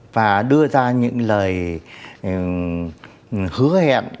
và đưa ra những lời hứa hẹn